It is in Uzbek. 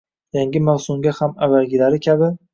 Yangi mavsumga ham avvalgilari kabi